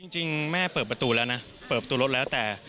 จริงแม่เปิดประตูแล้วนะเปิดประตูรถแล้วแต่